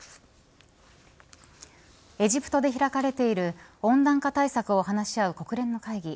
エジプトで開かれている温暖化対策を話し合う国連の会議